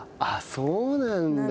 そうなんだ。